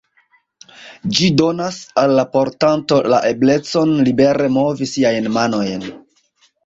Ĝi donas al la portanto la eblecon libere movi siajn manojn.